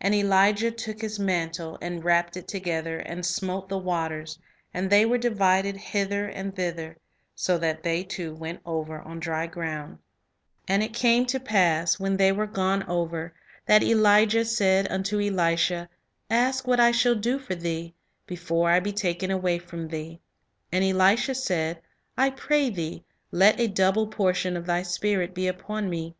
And Elijah took his mantle, and wrapped it together, and smote the waters, and they were divided hither and thither, so that they two went over on dry ground. And it came to pass, when they ] 2 ECit>gS 2: . 6o Illustrations The Supreme Gift Fruits of Practical Training Were gone over, that Elijah said unto Elisha, Ask what I shall do for thee, before I be taken away from thee. And Elisha said, I pray thee, let a double portion of di spirit be upon me.